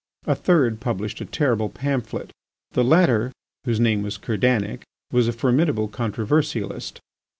A third published a terrible pamphlet. The latter, whose name was Kerdanic, was a formidable controversialist.